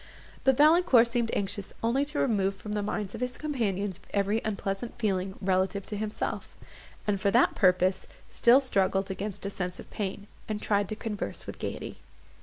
But Valancourt seemed anxious only to remove from the minds of his companions every unpleasant feeling relative to himself; and, for that purpose, still struggled against a sense of pain, and tried to converse with gaiety.